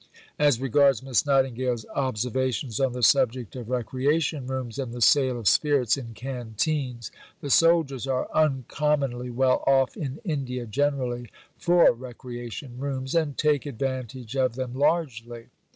As regards Miss Nightingale's observations on the subject of recreation rooms and the sale of spirits in canteens: the soldiers are uncommonly well off in India generally for recreation rooms and take advantage of them largely.